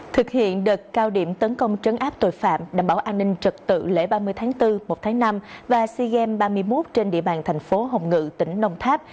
thực hiện đợt cao điểm tấn công trấn áp tội phạm đảm bảo an ninh trật tự lễ ba mươi tháng bốn một tháng năm và sea games ba mươi một trên địa bàn thành phố hồng ngự tỉnh đồng tháp